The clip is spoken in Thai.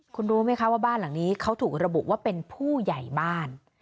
คุณรู้ไหมคะว่าบ้านหลังนี้เขาถูกระบุว่าเป็นผู้ใหญ่บ้าน